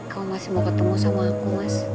kamu masih mau ketemu sama aku mas